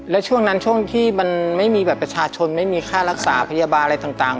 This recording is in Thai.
แล้วช่วงนั้นช่วงที่มันไม่มีบัตรประชาชนไม่มีค่ารักษาพยาบาลอะไรต่าง